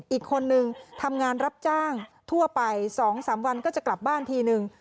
อีกคนนึงทำงานรับจ้างทั่วไป๒๓วันก็จะกลับบ้านทีนึง